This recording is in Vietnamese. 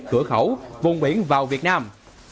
cửa khẩu vùng biển vào việt nam